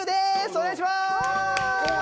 お願いします！